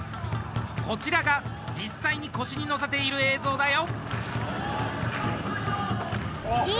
こちらが実際に腰に乗せている映像だよ。